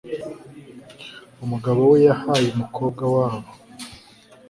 umugabo we yahaye umukobwa wabo